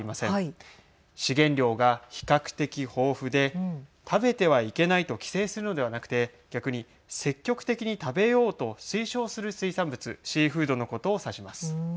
資源量が比較的豊富で食べてはいけないと規制するのではなくて逆に積極的に食べようと推奨する水産物シーフードのことを指します。